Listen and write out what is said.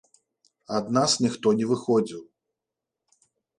Ад нас ніхто не выходзіў.